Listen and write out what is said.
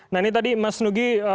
nah ini tadi mas nugi